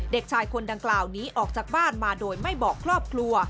เด็กชายคนดังกล่าวนี้ออกจากบ้านมาโดยไม่บอกครอบครัว